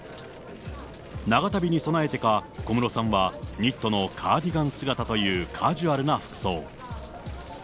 長旅に備えてか、小室さんはニットのカーディガン姿というカジュアルな服装。